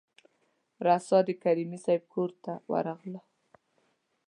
راسآ د کریمي صیب کورته ورغلو.